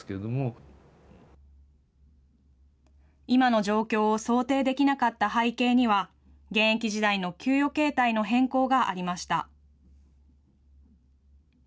今の状況を想定できなかった背景には、現役時代の給与形態の変更がありました。